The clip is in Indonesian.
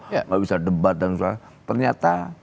tidak bisa debat dan sebagainya ternyata